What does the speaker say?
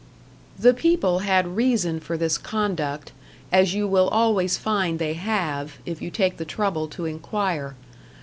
The people had reason for this conduct as you will always find they have, if you take the trouble to inquire.